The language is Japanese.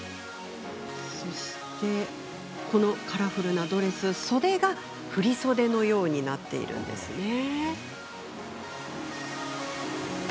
このカラフルなドレスは袖が振り袖のようになっているんですね。